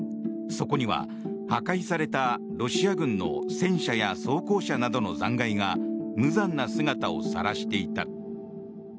そこには破壊されたロシア軍の戦車や装甲車などの残骸が無残な姿をさらしていた。